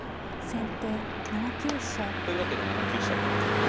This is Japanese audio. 先手７九飛車。というわけで７九飛車とやっぱ。